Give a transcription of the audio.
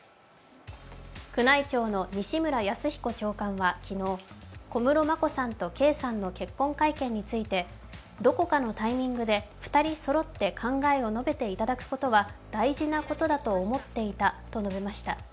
宮内庁の西村泰彦長官は昨日小室眞子さんと圭さんの結婚会見についてどこかのタイミングで２人そろって考えを述べていただくことは大事なことだと思っていたと述べました。